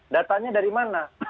datanya dari mana